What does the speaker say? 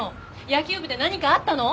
野球部で何かあったの？